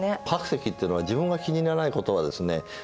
白石っていうのは自分が気に入らないことはですね